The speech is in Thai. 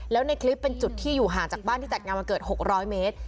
แล้วในคลิปเป็นจุดที่อยู่ห่างจากบ้านที่จัดงานมาเกือบ๖๐๐เมตร